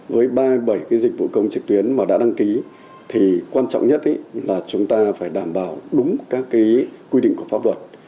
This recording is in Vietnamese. với ba mươi bảy dịch vụ công trực tuyến mà đã đăng ký thì quan trọng nhất là chúng ta phải đảm bảo đúng các quy định của pháp luật